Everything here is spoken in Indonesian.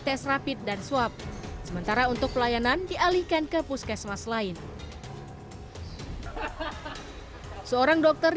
tes rapid dan swab sementara untuk pelayanan dialihkan ke puskesmas lain seorang dokter